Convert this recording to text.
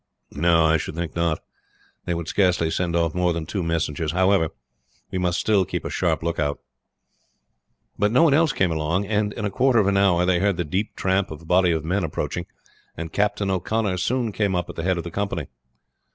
"No, I should think not. They would scarcely send off more than two messengers. However, we must still keep a sharp lookout." But no one else came along, and in a quarter of an hour they heard the deep tramp of a body of men approaching, and Captain O'Connor soon came up at the head of the company.